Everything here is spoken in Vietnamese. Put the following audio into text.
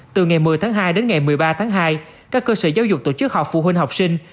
từ ngày một mươi tháng hai đến ngày một mươi ba tháng hai các cơ sở giáo dục tổ chức học phụ huynh học sinh